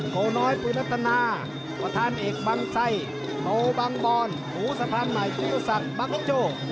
โกน้อยปุรินัตนาวัฒนเอกบางไส้โลบังบอนหูสะพันธ์ใหม่ปิ้วสักบังเอ็งโชว์